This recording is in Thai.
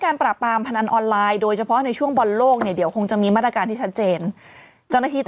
พี่มีความรู้ว่าหญิงช่วงนี้ในสตอรี่แม่คอนเทนต์น้อยไง